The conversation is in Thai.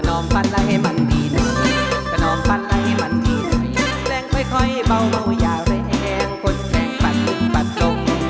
โน้มปันแล้วให้มันดีนะโน้มปันแล้วให้มันดีแรงค่อยค่อยเบาเบาอย่าแรงคนแรงปัดลูกปัดลง